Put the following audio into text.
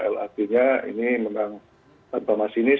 lrt nya ini memang tanpa masinis